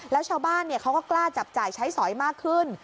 แล้วชาวบ้านเขาก็กล้าจับจ่ายใช้สอยมากขึ้น